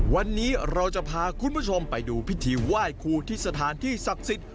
วันนี้เราจะพาคุณผู้ชมไปดูพิธีไหว้ครูที่สถานที่ศักดิ์สิทธิ์